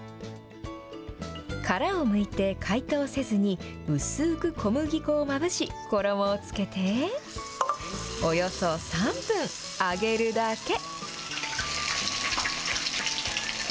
殻をむいて解凍せずに、薄く小麦粉をまぶし、衣をつけて、およそ３分揚げるだけ。